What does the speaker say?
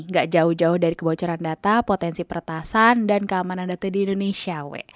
gak jauh jauh dari kebocoran data potensi peretasan dan keamanan data di indonesia